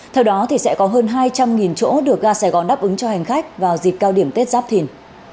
theo đó sẽ có hơn hai trăm linh chỗ được ga sài gòn đáp ứng cho hành khách vào dịp cao điểm tết giáp thìn